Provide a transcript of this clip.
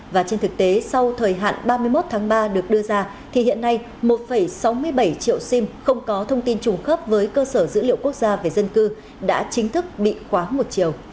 và trên thực tế sau thời hạn ba mươi một tháng ba được đưa ra thì hiện nay một sáu mươi bảy triệu sim không có thông tin trùng khớp với cơ sở dữ liệu quốc gia về dân cư đã chính thức bị khóa một chiều